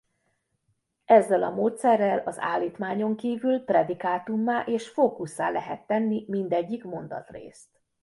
Ezzel a módszerrel az állítmányon kívül predikátummá és fókusszá lehet tenni mindegyik mondatrészt.